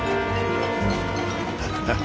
ハハハ！